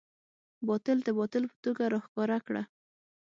باطل د باطل په توګه راښکاره کړه.